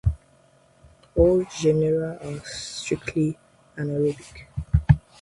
All genera are strictly anaerobic.